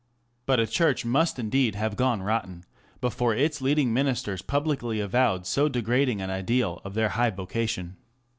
But a church must indeed have gone rotten before its leading ministers publicly avowed so degrading an ideal of their high vocation.